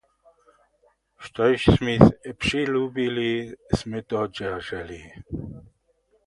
Štož smy přilubili, smy dodźerželi.